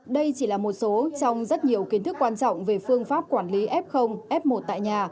đây chỉ là một số trong rất nhiều kiến thức quan trọng về phương pháp quản lý f f một tại nhà